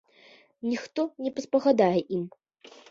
Ніхто не паспагадае ім.